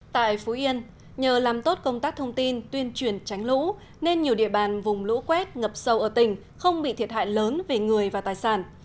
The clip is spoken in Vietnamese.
tại phú yên nhờ làm tốt công tác thông tin tuyên truyền tránh lũ nên nhiều địa bàn vùng lũ quét ngập sâu ở tỉnh không bị thiệt hại lớn về người và tài sản